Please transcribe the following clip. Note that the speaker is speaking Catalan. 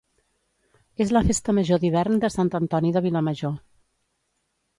És la festa Major d'hivern de Sant Antoni de Vilamajor